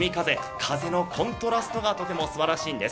風のコントラストがとてもすばらしいんです。